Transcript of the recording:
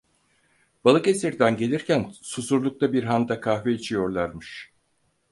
Balıkesir'den gelirken Susurluk'ta bir handa kahve içiyorlarmış.